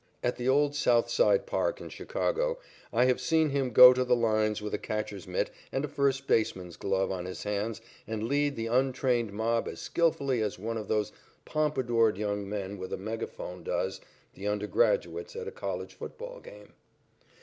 At the old south side park in Chicago, I have seen him go to the lines with a catcher's mitt and a first baseman's glove on his hands and lead the untrained mob as skilfully as one of those pompadoured young men with a megaphone does the undergraduates at a college football game.